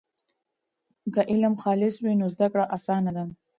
که علم خالص وي نو زده کړه اسانه ده.